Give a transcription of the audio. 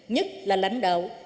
nhất là lãnh đạo